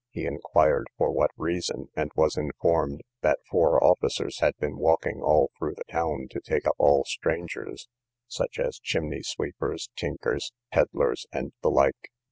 He inquired for what reason, and was informed, that four officers had been walking all through the town to take up all strangers, such as chimney sweepers, tinkers, pedlars, and the like.